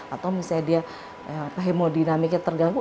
atau misalnya dia hemodinamiknya terganggu